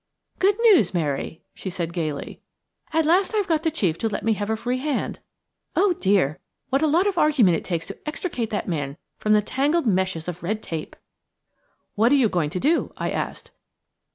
"Good news, Mary," she said gaily. "At last I've got the chief to let me have a free hand. Oh, dear! what a lot of argument it takes to extricate that man from the tangled meshes of red tape!" "What are you going to do?" I asked.